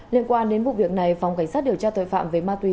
liên quan đến vụ việc này phòng cảnh sát điều tra tội phạm về ma túy